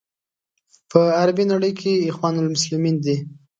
په عربي نړۍ کې اخوان المسلمین دي.